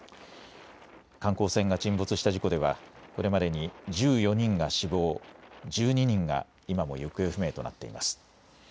観光船が沈没した事故ではこれまでに１４人が死亡、１２人が今も行方不明となっています。